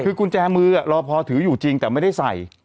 คือกุญแจมือรอพอถืออยู่จริงแต่ไม่ได้ใส่